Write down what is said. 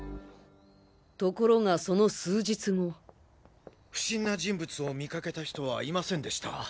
ところがその数日後不審な人物を見かけた人はいませんでした。